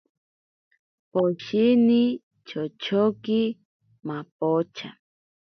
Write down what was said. Poshini chochoki mapocha.